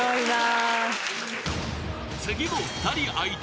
［次も２人相手。